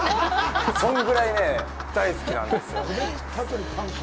そんぐらいね、大好きなんですよね。